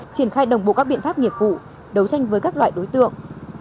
triển khai đồng bộ các biện pháp nghiệp vụ đấu tranh với các loại đối tượng